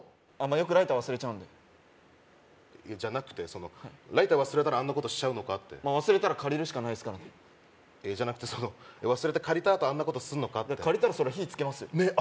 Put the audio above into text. よくライター忘れちゃうんでじゃなくてそのライター忘れたらあんなことしちゃうのかって忘れたら借りるしかないっすからねじゃなくて忘れて借りたあとあんなことすんのかって借りたらそりゃ火つけますよねえ